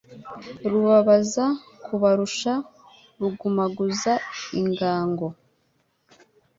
Rubabaza kubarusha, rugumaguza ingango